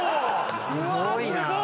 すごいなぁ！